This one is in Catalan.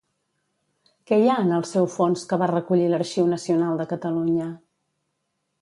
Què hi ha en el seu fons que va recollir l'Arxiu Nacional de Catalunya?